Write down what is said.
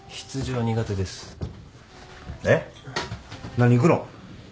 何行くの？